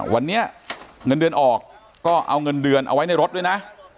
วันนี้เงินเดือนออกก็เอาเงินเดือนเอาไว้ในรถด้วยนะ